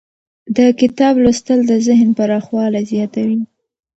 د کتاب لوستل د ذهن پراخوالی زیاتوي.